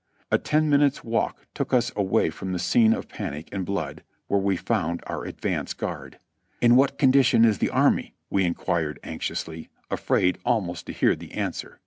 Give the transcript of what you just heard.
A ten minutes' walk took us away from the scene of panic and blood, where we found our advance guard. "In what condition is the army?" we inquired anxiously, afraid almost to hear the answer.